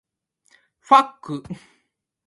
He represent Mordred.